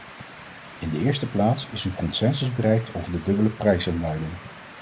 In de eerste plaats is een consensus bereikt over de dubbele prijsaanduiding.